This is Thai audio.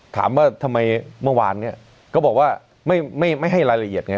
ถามว่าทำไมเมื่อวานเนี่ยก็บอกว่าไม่ให้รายละเอียดไง